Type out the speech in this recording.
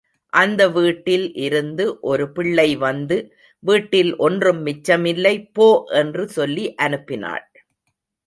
அந்த வீட்டில் இருந்து ஒரு பிள்ளை வந்து, வீட்டில் ஒன்றும் மிச்சமில்லை போ என்று சொல்லி அனுப்பினாள்.